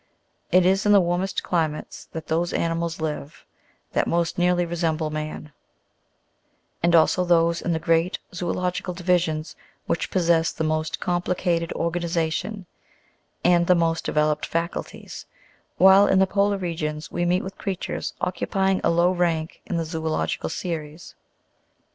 It is in the warmest climates that those animals live that most nearly resemble man, and also those in the great zoological divisions which possess the most complicated organization, and the most developed faculties, while in the polar regions we meet with creatures occupying a low rank in the zoological series.